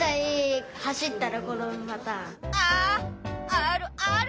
あるある！